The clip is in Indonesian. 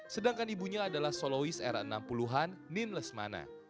sedangkan ibunya adalah solois era enam puluh an nin lesmana